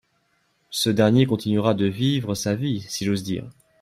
Ce dernier continuera de vivre sa vie, si j’ose dire.